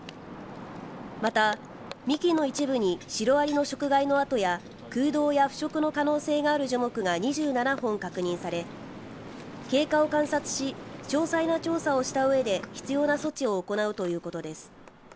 また、幹の一部にシロアリの食害の跡や空洞や腐食の可能性がある樹木が２７本確認され経過を観察し詳細な調査をしたうえで必要な措置を行うということです。